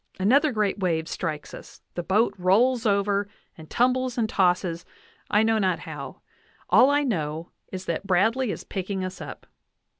Another great wave strikes us, the boat rolls over, and tumbles and tosses, I know not how. All I know is that Bradley is picking us up.